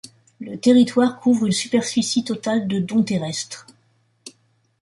Le territoire couvre une superficie totale de dont terrestres.